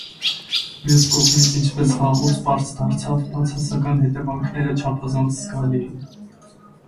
Մյուս կողմից, ինչպես վաղուց պարզ դարձավ, բացասական հետևանքները չափազանց զգալի են։